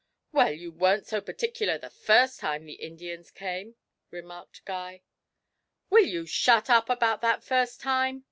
'Well, you weren't so particular the first time the Indians came!' remarked Guy. 'Will you shut up about that first time!'